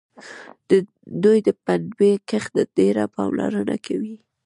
دوی د پنبې کښت ته ډېره پاملرنه کوي.